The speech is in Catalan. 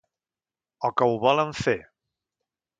O que ho volen fer.